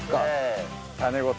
種ごと。